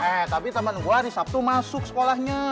eh tapi teman gue nih sabtu masuk sekolahnya